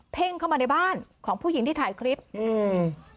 เข้ามาในบ้านของผู้หญิงที่ถ่ายคลิปอืม